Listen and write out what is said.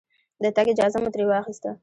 د تګ اجازه مو ترې واخسته.